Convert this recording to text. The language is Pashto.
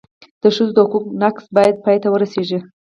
د ښځو د حقونو نقض باید پای ته ورسېږي.